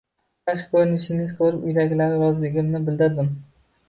Tashqi ko`rinishingizni ko`rib, uydagilarga roziligimni bildirdim